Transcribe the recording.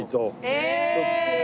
えっ！